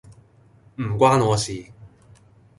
唔關我事